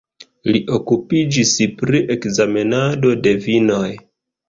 Li okupiĝis pri ekzamenado de vinoj.